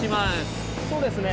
そうですね。